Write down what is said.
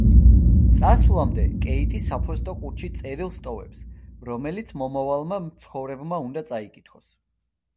წასვლამდე, კეიტი საფოსტო ყუთში წერილს ტოვებს, რომელიც მომავალმა მცხოვრებმა უნდა წაიკითხოს.